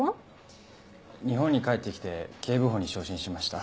日本に帰ってきて警部補に昇進しました。